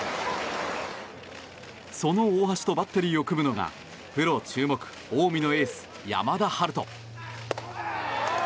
その大橋とバッテリーを組むのがプロ注目近江のエース、山田陽翔。